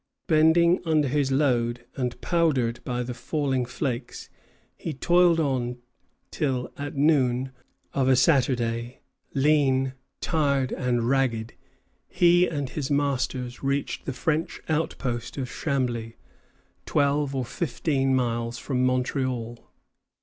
Bending under his load, and powdered by the falling flakes, he toiled on till, at noon of a Saturday, lean, tired, and ragged, he and his masters reached the French outpost of Chambly, twelve or fifteen miles from Montreal.